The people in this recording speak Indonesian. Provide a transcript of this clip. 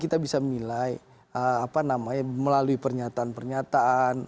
kita bisa memiliki apa namanya melalui pernyataan pernyataan